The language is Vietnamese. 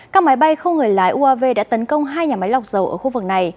các máy bay không người lái uav đã tấn công hai nhà máy lọc dầu ở khu vực này